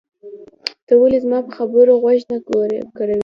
ته ولې زما په خبرو غوږ نه ګروې؟